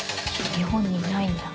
日本にいないんだ？